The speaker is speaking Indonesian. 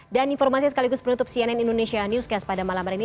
dan informasi sekaligus penutup cnn indonesia newscast pada malam hari ini